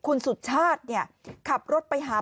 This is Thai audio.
คุณสุชาติขับรถไปหา